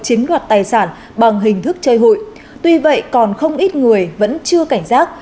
chiếm đoạt tài sản bằng hình thức chơi hụi tuy vậy còn không ít người vẫn chưa cảnh giác